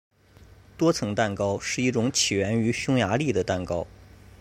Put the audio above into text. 多层蛋糕是一种起源于匈牙利的蛋糕。